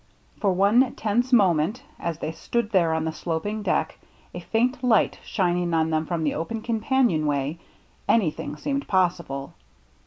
For one tense moment, as they stood there on the sloping deck, a faint light shining on them from the open companion way, anything seemed possible.